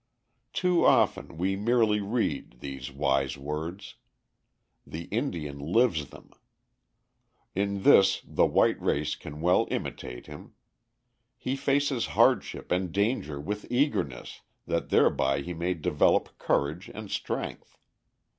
Too often we merely read these wise words. The Indian lives them. In this the white race can well imitate him. He faces hardship and danger with eagerness that thereby he may develop courage and strength.